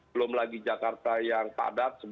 belum lagi jakarta yang padat